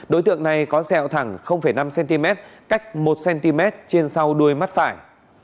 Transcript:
đối tượng này có sẹo thẳng năm cm cách một cm trên sau đuôi mắt phải